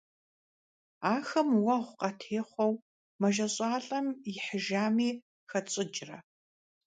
Ахэм уэгъу къатехъуэу мэжэщӀалӀэм ихьыжами, хэтщӀыкӀрэ?